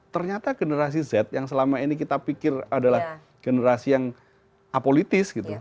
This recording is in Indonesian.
ternyata generasi z yang selama ini kita pikir adalah generasi yang apolitis gitu